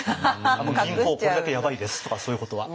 「あの銀行これだけやばいです」とかそういうことは。